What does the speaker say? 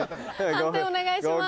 判定お願いします。